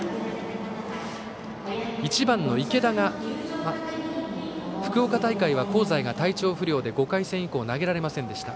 １番の池田は福岡大会は香西が体調不良で５回戦以降投げられませんでした。